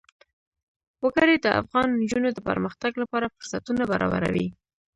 وګړي د افغان نجونو د پرمختګ لپاره فرصتونه برابروي.